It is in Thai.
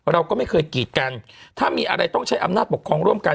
เราก็ไม่เคยกีดกันถ้ามีอะไรต้องใช้อำนาจปกครองร่วมกัน